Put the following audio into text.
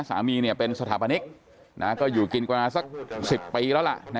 สามีเนี่ยเป็นสถาปนิกนะก็อยู่กินกว่าสัก๑๐ปีแล้วล่ะนะ